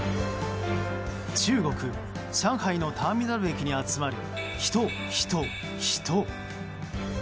中国・上海のターミナル駅に集まる人、人、人。